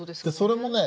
それもね